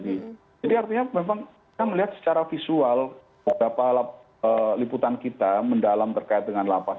jadi artinya memang kita melihat secara visual berapa liputan kita mendalam terkait dengan lapas